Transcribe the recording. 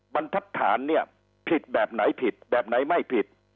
บรรทัศน์เนี่ยผิดแบบไหนผิดแบบไหนไม่ผิด